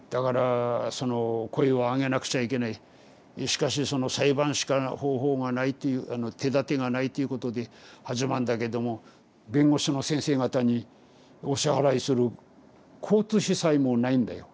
しかし裁判しか方法がないという手だてがないということで始まんだけども弁護士の先生方にお支払いする交通費さえもないんだよ。